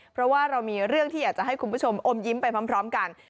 เพราะว่าเรามีเรื่องที่อยากจะให้คุณผู้ชมอมยิ้มไปพร้อมกัน